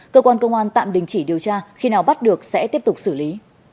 cơ quan công an tạm đình chỉ điều tra khi nào bắt được sẽ tiếp tục xử lý